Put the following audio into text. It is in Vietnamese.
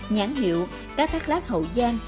nhãn hiệu cá thác lát hậu giang